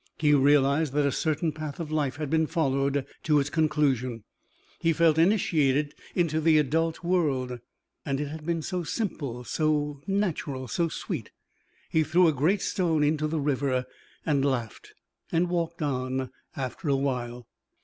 He realized that a certain path of life had been followed to its conclusion. He felt initiated into the adult world. And it had been so simple, so natural, so sweet.... He threw a great stone into the river and laughed and walked on, after a while.